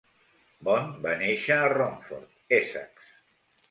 Bond va néixer a Romford, Essex.